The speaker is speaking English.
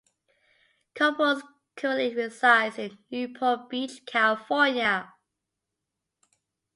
Couples currently resides in Newport Beach, California.